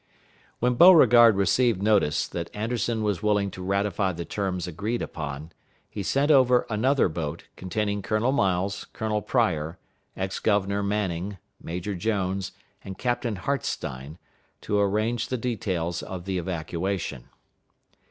When Beauregard received notice that Anderson was willing to ratify the terms agreed upon, he sent over another boat, containing Colonel Miles, Colonel Pryor, Ex Governor Manning, Major Jones, and Captain Hartstein, to arrange the details of the evacuation.